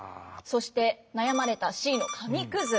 そして悩まれたＣの紙くず。